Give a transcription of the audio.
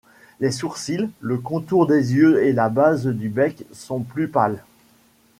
Les sourcils, le contour des yeux et la base du bec sont plus pâles.